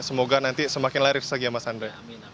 semoga nanti semakin lari segini mas andre